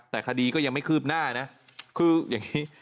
แต่คดีก็ยังไม่คืบหน้านะคืออย่างนี้